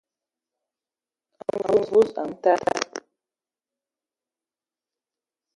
A Mvu a man taa,